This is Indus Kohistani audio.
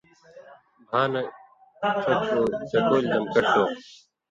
بھاں نہ ڇکو ڇکولیۡ دم کٹو